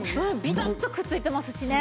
ビタッとくっついてますしね。